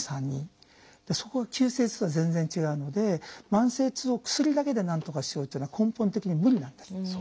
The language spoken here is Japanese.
そこが急性痛とは全然違うので慢性痛を薬だけでなんとかしようっていうのは根本的に無理なんです。